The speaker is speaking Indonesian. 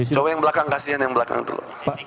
coba yang belakang kasihan yang belakang dulu